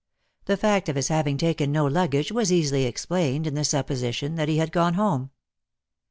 The fact of his having taken no luggage was easily explained in the supposition that he had gone home.